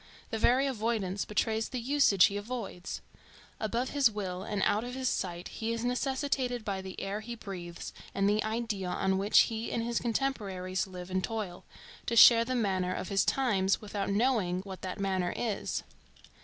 The very avoidance betrays the usage he avoids. Above his will and out of his sight he is necessitated by the air he breathes and the idea on which he and his contemporaries live and toil, to share the manner of his times, without knowing what that manner is.